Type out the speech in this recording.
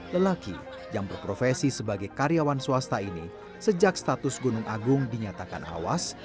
lelaki yang berprofesi sebagai karyawan swasta ini sejak status gunung agung dinyatakan awas